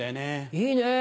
いいね。